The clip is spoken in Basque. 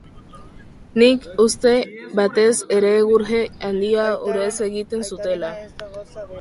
Nik uste, batez ere egurje handia, urez egiten zutela.